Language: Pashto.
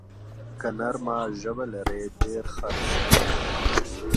که نرمه ژبه لرې، ډېر خرڅ کوې.